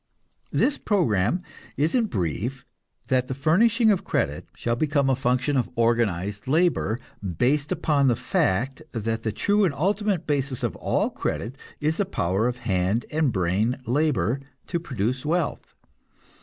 This program is in brief that the furnishing of credit shall become a function of organized labor, based upon the fact that the true and ultimate basis of all credit is the power of hand and brain labor to produce wealth.